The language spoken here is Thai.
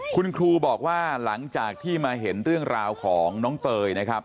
คุณครูบอกว่าหลังจากที่มาเห็นเรื่องราวของน้องเตยนะครับ